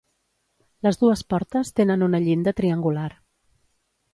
Les dues portes tenen una llinda triangular.